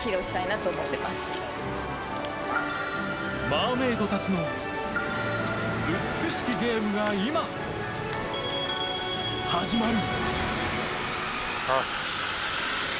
マーメイドたちの美しきゲームが今、始まる。